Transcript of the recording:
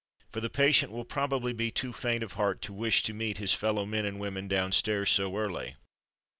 For the patient will probably be too faint of heart to wish to meet his fellow men and women downstairs, so early.